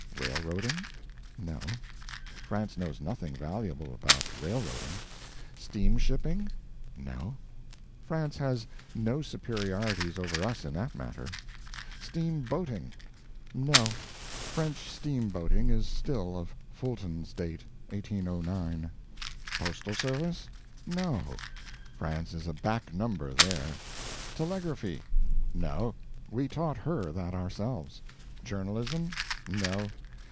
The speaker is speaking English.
Railroading? No. France knows nothing valuable about railroading. Steamshipping? No. France has no superiorities over us in that matter. Steamboating? No. French steamboating is still of Fulton's date 1809. Postal service? No. France is a back number there. Telegraphy? No, we taught her that ourselves. Journalism? No.